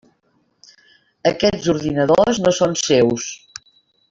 Aquests ordinadors no són seus.